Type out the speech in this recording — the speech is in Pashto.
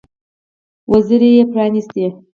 وزرې يې پرانيستې.